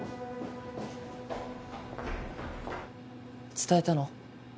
伝えたの？